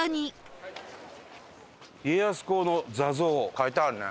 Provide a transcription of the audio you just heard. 書いてあるね。